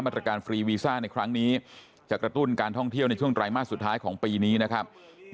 ตรการฟรีวีซ่าในครั้งนี้จะกระตุ้นการท่องเที่ยวในช่วงไตรมาสสุดท้ายของปีนี้นะครับ